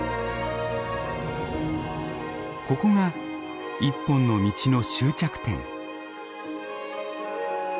ここが一本の道の終着点。